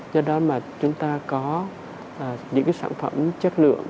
do đó chúng ta có những sản phẩm chất lượng